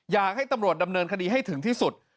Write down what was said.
อยากให้ตำรวจดำเนินคดีให้ถึงที่สุด